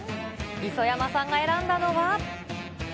磯山さんが選んだのは。